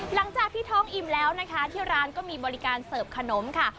หลังจากที่ท้องอิ่มแล้วนะคะที่ร้านก็มีบริการเสิร์ฟขนมค่ะ